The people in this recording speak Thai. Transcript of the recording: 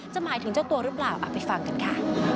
หมายถึงเจ้าตัวหรือเปล่าไปฟังกันค่ะ